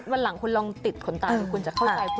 วันหลังคุณลองติดขนตาดูคุณจะเข้าใจคุณ